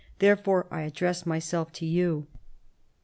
Therefore I address myself to you.